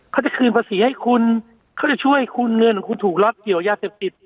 เขาจะคืนภาษีให้คุณเขาจะช่วยคุณเงินของคุณถูกล็อกเกี่ยวยาเสพติด